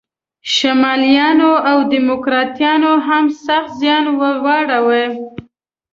شمالیانو او دیموکراتانو هم سخت زیان ور واړاوه.